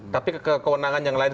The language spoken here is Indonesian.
tapi kewenangan yang lain